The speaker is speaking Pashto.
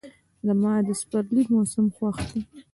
زما د سپرلي موسم خوښ دی.